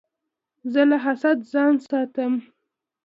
زه له حسده ځان ساتم.